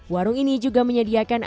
warung ini juga menyediakan